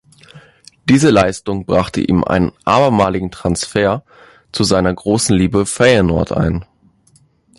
Diese Leistung brachte ihm einen abermaligen Transfer zu seiner großen Liebe Feyenoord ein.